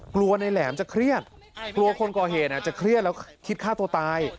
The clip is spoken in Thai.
กลัวในแหลมจะเครียดกลัวคนก่อเหตุอาจจะเครียดแล้วคิดฆ่าตัวตาย